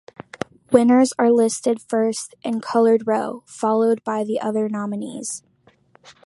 Winners are listed first in colored row, followed by the other nominees.